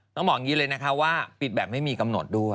ต้องบอกอย่างนี้เลยนะคะว่าปิดแบบไม่มีกำหนดด้วย